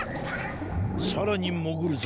さらにもぐるぞ。